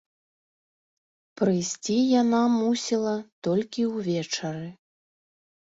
Прыйсці яна мусіла толькі ўвечары.